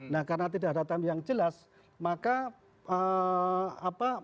nah karena tidak ada timeline yang jelas maka